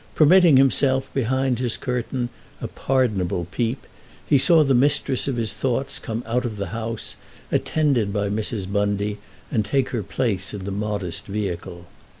Permitting himself, behind his curtain, a pardonable peep, he saw the mistress of his thoughts come out of the house, attended by Mrs. Bundy, and take her place in the modest vehicle.